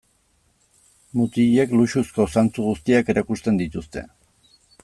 Mutilek luxuzko zantzu guztiak erakusten dituzte.